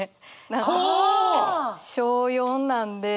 小４なんで。